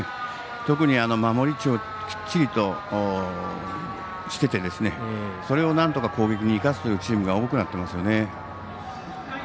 特に守りきっちりとしててそれをなんとか攻撃に生かすというチームが多くなってますよね。